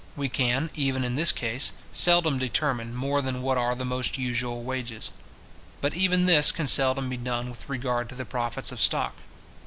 We can, even in this case, seldom determine more than what are the most usual wages. But even this can seldom be done with regard to the profits of stock.